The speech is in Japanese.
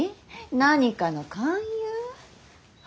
何かの勧誘？